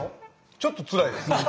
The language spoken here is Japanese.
ちょっとつらいです。